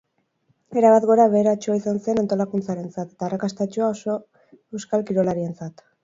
Erabat gora beheratsua izan zen antolakuntzarentzat, eta arrakastatsua oso euskal kirolarientzat.